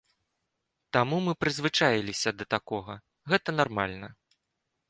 Таму мы прызвычаіліся да такога, гэта нармальна.